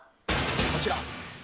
こちら。